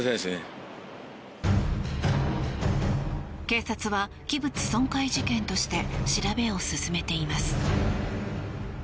警察は器物損壊事件として調べを進めています。